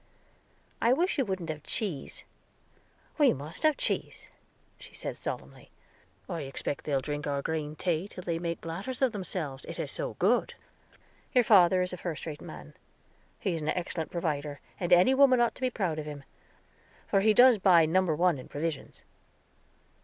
"I wish you wouldn't have cheese." "We must have cheese," she said solemnly. "I expect they'll drink our green tea till they make bladders of themselves, it is so good. Your father is a first rate man; he is an excellent provider, and any woman ought to be proud of him, for he does buy number one in provisions."